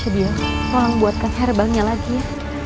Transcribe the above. cedio tolong buatkan herbalnya lagi ya